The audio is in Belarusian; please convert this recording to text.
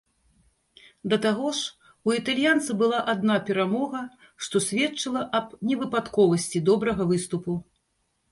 Да таго ж, у італьянца была адна перамога, што сведчыла аб невыпадковасці добрага выступу.